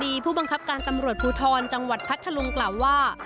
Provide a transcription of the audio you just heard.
ผู้บังคับการตำรวจภูทรจังหวัดพัทธลุงกล่าวว่า